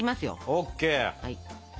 ＯＫ。